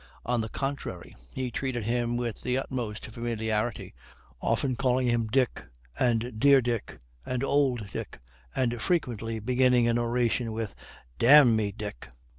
On the contrary, he treated him with the utmost familiarity, often calling him Dick, and dear Dick, and old Dick, and frequently beginning an oration with D n me, Dick.